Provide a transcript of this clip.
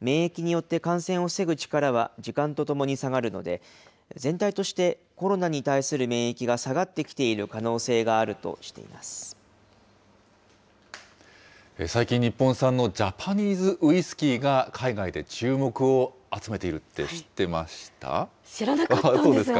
免疫によって感染を防ぐ力は時間とともに下がるので、全体としてコロナに対する免疫が下がってきている可能性があると最近、日本産のジャパニーズウイスキーが海外で注目を集めているって知知らなかったんです。